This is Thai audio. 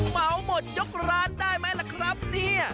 เบาหมดยกร้านได้มั้ยล่ะครับนี่